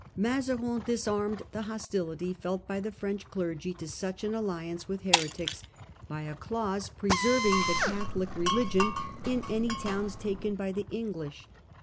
Mazarin disarmed the hostility felt by the French clergy to such an alliance with heretics by a clause preserving the Catholic religion in any towns taken by the English.